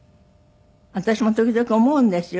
私も時々思うんですよ